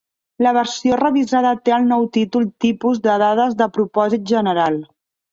La versió revisada té el nou títol "Tipus de dades de propòsit general".